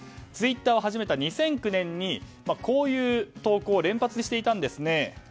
ツイッターを始めた２００９年にこういう投稿を連発していたんです。